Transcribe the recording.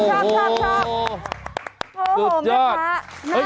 โอ้โหว้านะ